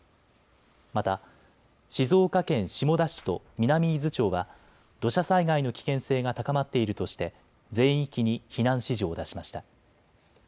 また静岡県下田市と南伊豆町は土砂災害の危険性が高まっているとして全域に避難指示を出しました。